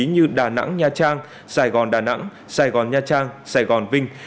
như đà nẵng nha trang sài gòn đà nẵng sài gòn nha trang sài gòn vinh